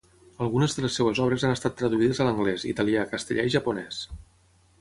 Algunes de les seves obres han estat traduïdes a l'anglès, italià, castellà i japonès.